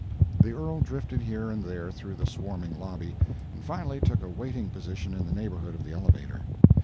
The earl drifted here and there through the swarming lobby, and finally took a waiting position in the neighborhood of the elevator.